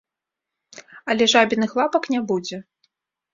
Але жабіных лапак не будзе.